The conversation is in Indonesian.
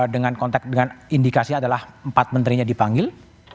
dengan kontak dengan indikasi adalah empat menterinya dipanggil